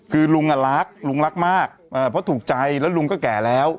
คือลุงรักลุงรักมากเพราะถูกใจแล้วลุงก็แก่แล้ว